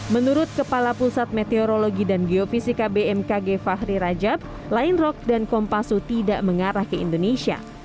menurut kepala pusat meteorologi dan geofisika bmkg fahri rajab lion rock dan kompasu tidak mengarah ke indonesia